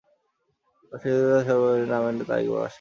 West Indies দল সর্বশেষ দল হিসেবে নামের তালিকা প্রকাশ করে।